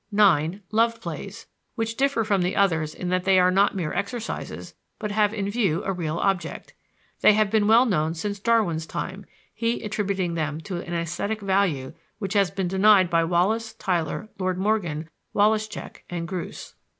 (9) Love plays, "which differ from the others in that they are not mere exercises, but have in view a real object." They have been well known since Darwin's time, he attributing to them an esthetic value which has been denied by Wallace, Tylor, Lloyd Morgan, Wallaschek, and Groos.